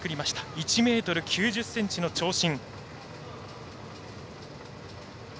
１ｍ９０ｃｍの長身。